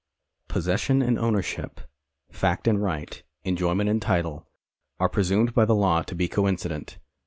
Possession and ownership — fact and right — enjoyment and title — are presumed by the law to be coincident.